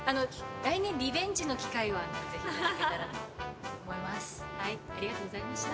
来年リベンジの機会をぜひいただければと思います。